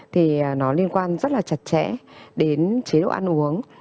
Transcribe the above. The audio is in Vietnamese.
thì nó liên quan rất là chặt chẽ đến chế độ ăn uống